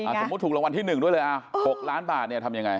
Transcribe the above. สมมุติถูกรางวัลที่หนึ่งด้วยเลยอ้าว๖ล้านบาทเนี่ยทำยังไง